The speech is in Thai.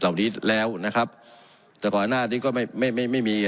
เหล่านี้แล้วนะครับแต่ก่อนหน้านี้ก็ไม่ไม่ไม่มี